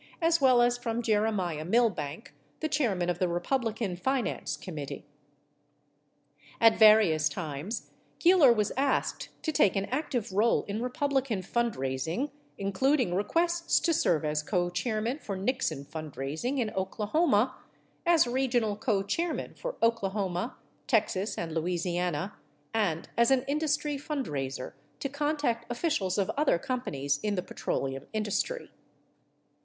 as well as from Jeremiah Milbank, the chairman of the Republican Finance Committee. At various times Keeler was asked to take an active role in Republican fundraising, including requests to serve as cochairman for Nixon fundraising in Oklahoma, as regional cochairman for Oklahoma, Texas, and Louisi ana, and as an industry fundraiser to contact officials of other com panies in the petroleum industry.